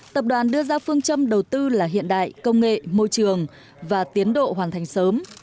tập đoàn đưa ra phương châm đầu tư là hiện đại công nghệ môi trường và tiến độ hoàn thành sớm